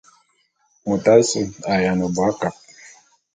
Mot asse a’ayiana bo akab.